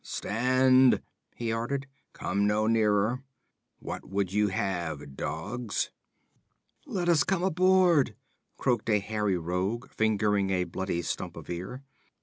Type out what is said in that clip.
'Stand!' he ordered. 'Come no nearer. What would you have, dogs?' 'Let us come aboard!' croaked a hairy rogue fingering a bloody stump of ear.